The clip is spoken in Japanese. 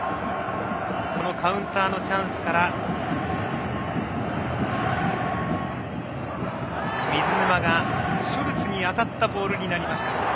カウンターのチャンスから水沼がシュルツに当たったボールとなりました。